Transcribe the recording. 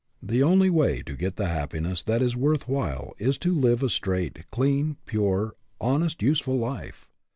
The only way to get the happiness that is worth while is to live a straight, clean, pure, honest, useful life.